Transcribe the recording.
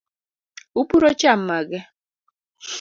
Upuro cham mage?